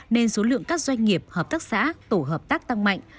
nên số lượng các doanh nghiệp hợp tác xã tổ hợp tác tăng mạnh